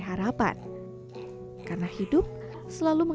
kehidupan memang tidak selamanya